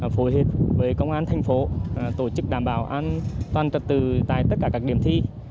phối hợp với công an thành phố tổ chức đảm bảo an toàn trật tự tại tất cả các điểm thi